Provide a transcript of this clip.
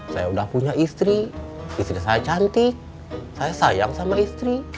saya udah punya istri istri saya cantik saya sayang sama istri